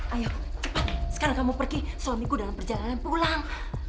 ayo cepat sekarang kamu pergi suamiku dalam perjalanan pulang